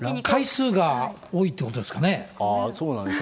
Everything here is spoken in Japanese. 回数が多いってことなんですかね。